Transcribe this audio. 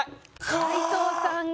斉藤さんが。